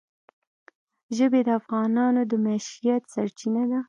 ژبې د افغانانو د معیشت سرچینه ده.